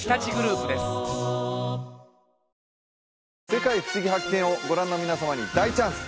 「世界ふしぎ発見！」をご覧の皆様に大チャンス！